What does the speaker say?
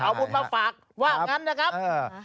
เอาบุญมาฝากว่างั้นนะครับ